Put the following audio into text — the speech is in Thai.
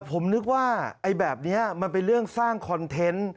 ผมนึกว่าไอ้แบบนี้มันเป็นเรื่องสร้างคอนเทนต์